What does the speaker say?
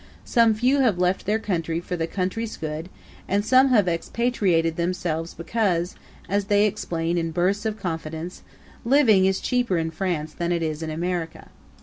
Some few have left their country for their country's good and some have expatriated themselves because, as they explain in bursts of confidence, living is cheaper in France than it is in America.